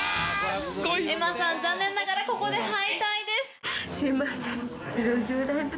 ｅｍａさん残念ながらここで敗退です。